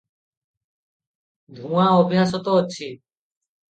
ଧୂଆଁ ଅଭ୍ୟାସ ତ ଅଛି ।